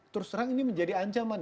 terus terang ini menjadi ancaman